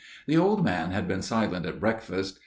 The old man had been silent at breakfast.